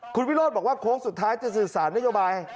คุณวิโรธบอกว่าโค้งสุดท้ายจะสื่อสารนโยบาย